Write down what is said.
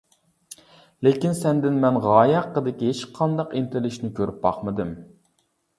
لېكىن سەندىن مەن غايە ھەققىدىكى ھېچقانداق ئىنتىلىشنى كۆرۈپ باقمىدىم.